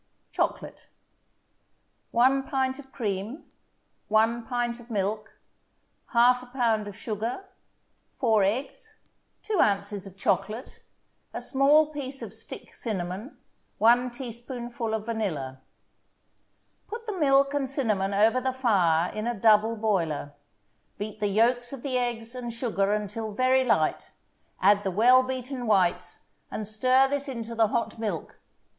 CHOCOLATE 1 pint of cream 1 pint of milk 1/2 pound of sugar 4 eggs 2 ounces of chocolate 1 small piece of stick cinnamon 1 teaspoonful of vanilla Put the milk and cinnamon over the fire in a double boiler. Beat the yolks of the eggs and sugar until very light, add the well beaten whites, and stir this into the hot milk.